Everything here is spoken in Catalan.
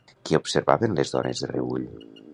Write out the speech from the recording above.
Què observaven les dones de reüll?